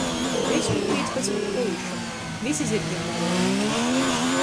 Desmit pīcpadsmit puišu, vysi zyrgim mugurā.